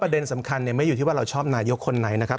เด็นสำคัญไม่อยู่ที่ว่าเราชอบนายกคนไหนนะครับ